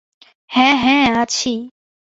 হ্যাঁ, হ্যাঁ, আছি।